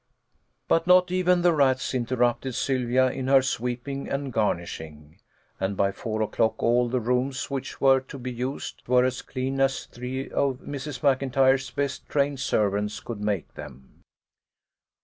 But not even the rats interrupted Sylvia in her sweeping and garnishing, and by four o'clock all the rooms which were to be used were as clean as three of Mrs. Maclntyre's best trained servants could make them.